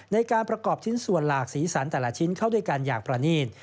ในการประกอบชิ้นส่วนหลากสีสันแต่ละชิ้นเข้าด้วยกันอย่างประนีต